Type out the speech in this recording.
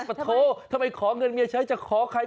ปะโททำไมขอเงินเมียใช้จะขอใคร